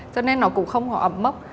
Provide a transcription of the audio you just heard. cho nên nó cũng không có ẩm mốc